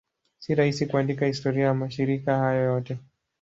Si rahisi kuandika historia ya mashirika hayo yote.